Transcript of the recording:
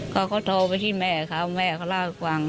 เขาก็โทรไปที่แม่เขาแม่เขาเล่าให้ฟัง